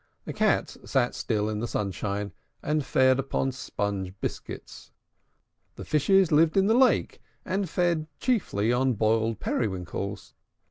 The Cats sate still in the sunshine, and fed upon sponge biscuits. The Fishes lived in the lake, and fed chiefly on boiled periwinkles.